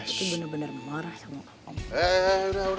aku tuh benar benar memarah sama omondi